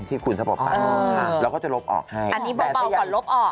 ที่คุณจะปลอบเราก็จะลบออกให้ครับแต่ถ้ายังเพราะลบออก